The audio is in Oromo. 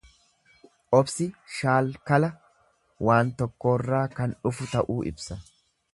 Obsi shaalkala waan tokkoorraa kan dhufu ta'uu ibsa.